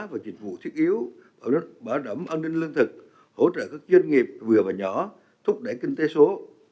và dịch vụ thiết yếu bảo đảm an ninh lương thực hỗ trợ các doanh nghiệp vừa và nhỏ thúc đẩy kinh tế số